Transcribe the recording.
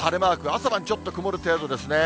朝晩、ちょっと曇る程度ですね。